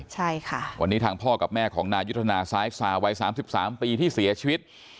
ใช่ค่ะวันนี้ทางพ่อกับแม่ของนายุทธนาซ้ายซาวัย๓๓ปีที่เสียชีวิต